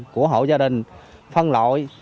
của hộ gia đình phân loại